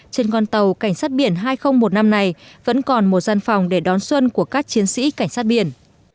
trên con tàu cảnh sát biển hai nghìn một mươi năm này vẫn còn một gian phòng để đón xuân của các chiến sĩ cảnh sát biển